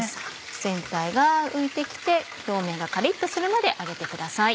全体が浮いて来て表面がカリっとするまで揚げてください。